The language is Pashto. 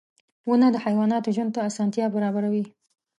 • ونه د حیواناتو ژوند ته اسانتیا برابروي.